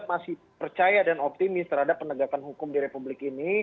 masih percaya dan optimis terhadap penegakan hukum di republik ini